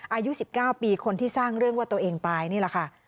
อายุ๑๙ปีคนที่สร้างเรื่องว่าตัวเองตายนี่แหละค่ะ